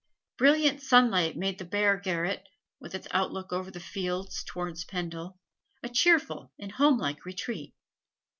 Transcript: Brilliant sunlight made the bare garret, with its outlook over the fields towards Pendal, a cheerful and homelike retreat.